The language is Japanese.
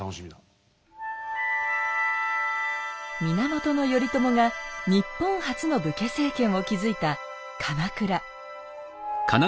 源頼朝が日本初の武家政権を築いた鎌倉。